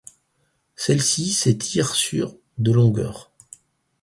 Celle-ci s'étire sur de longueur.